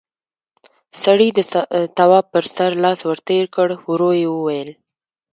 سړي د تواب پر سر لاس ور تېر کړ، ورو يې وويل: